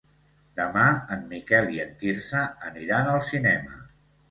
Demà en Miquel i en Quirze aniran al cinema.